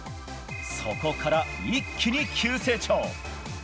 そこから一気に急成長。